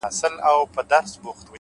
هره تجربه د پوهې څراغ بلوي